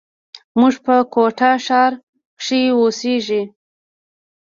موږ په کوټه ښار کښي اوسېږي.